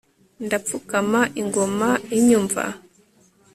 ndapfukama ingoma inyumva